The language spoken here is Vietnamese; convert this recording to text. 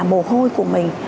mồ hôi của mình